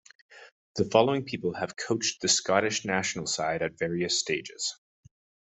The following people have coached the Scottish national side at various stages.